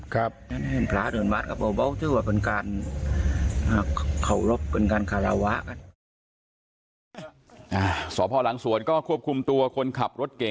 เคารพเป็นการคาราวะ